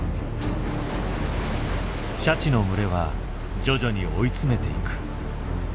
シャチの群れは徐々に追い詰めていく。